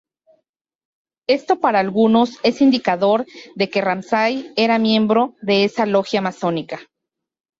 Esto para algunos es indicador de que Ramsay era miembro de esa logia masónica.